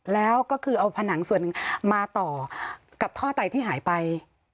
แล้วก็คือเอาผนังส่วนหนึ่งมาต่อกับท่อไตที่หายไป